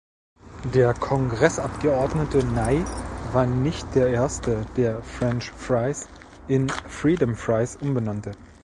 Der Kongressabgeordnete Ney war nicht der erste, der "French fries" in "freedom fries" umbenannte.